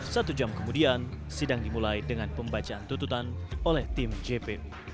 satu jam kemudian sidang dimulai dengan pembacaan tututan oleh tim jp